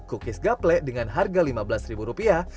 cookies gaple dengan harga lima belas rupiah